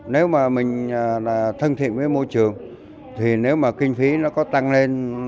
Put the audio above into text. nếu mà mình thân thiện với môi trường thì nếu mà kinh phí nó có tăng lên